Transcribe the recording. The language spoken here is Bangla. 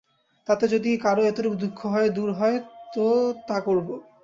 তাতে যদি কারও এতটুকু দুঃখ দূর হয় তো তা করব।